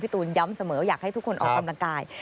ตูนย้ำเสมอว่าอยากให้ทุกคนออกกำลังกาย